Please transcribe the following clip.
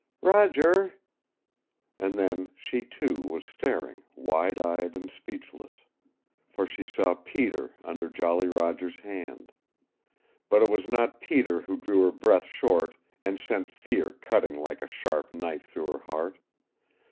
"Roger " And then she, too, was staring, wide eyed and speechless. For she saw Peter under Jolly Roger's hand. But it was not Peter who drew her breath short and sent fear cutting like a sharp knife through her heart.